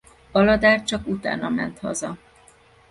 Aladár csak utána ment haza.